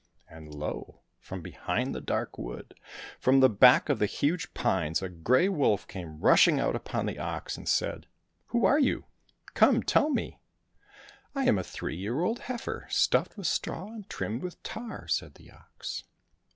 And, lo ! from behind the dark wood, from the back of the huge pines, a grey wolf came rushing out upon the ox and said, " Who are you ? Come, tell me !"— "I am a three year old heifer, stuffed with straw and trimmed with tar," said the ox.